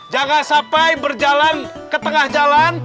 jangan sampai berjalan ke tengah jalan